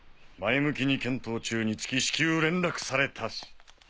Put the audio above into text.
「前向きに検討中につき至急連絡されたし」。